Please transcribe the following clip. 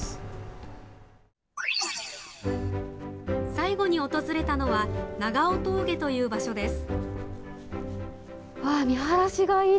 最後に訪れたのは長尾峠という場所です。